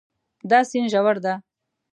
دا سیند ژور ده